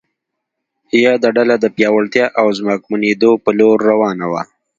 یاده ډله د پیاوړتیا او ځواکمنېدو په لور روانه وه.